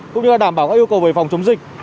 cũng như đảm bảo các yêu cầu về phòng chống dịch